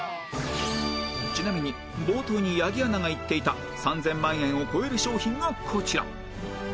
ちなみに冒頭に八木アナが言っていた３０００万円を超える商品がこちら